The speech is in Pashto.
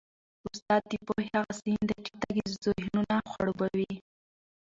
استاد د پوهې هغه سیند دی چي تږي ذهنونه خړوبوي.